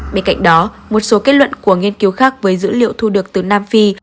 bên cạnh đó một số kết luận của nghiên cứu khác với dữ liệu thu được từ nam phi